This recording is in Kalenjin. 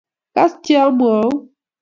Kas Che amwaun.